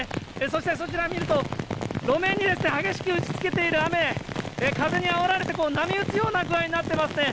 そして、そちら見ると、路面に激しく打ち付けている雨、風にあおられて波打つような具合になってますね。